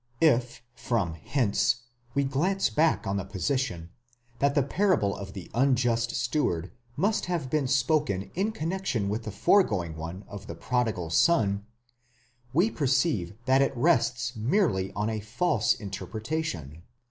If from hence we glance back on the position, that the parable of the unjust steward must have been spoken in connexion with the foregoing one of the prodigal son, we perceive that it rests merely on a false interpretation.